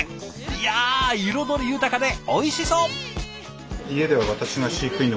いや彩り豊かでおいしそう！